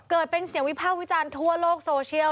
เกิดเป็นเสียงวิพากษ์วิจารณ์ทั่วโลกโซเชียล